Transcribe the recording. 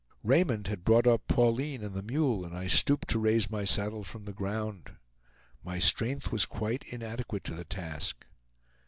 Raymond had brought up Pauline and the mule, and I stooped to raise my saddle from the ground. My strength was quite inadequate to the task.